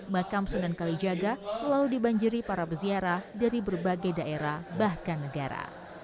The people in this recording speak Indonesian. makam sunan kalijaga selalu dibanjiri para peziarah dari berbagai daerah bahkan negara